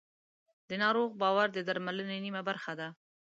د ناروغ باور د درملنې نیمه برخه ده.